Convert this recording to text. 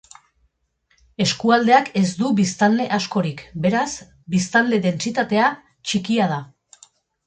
Eskualdeak ez ditu biztanle askorik, beraz, biztanle dentsitatea txikia da.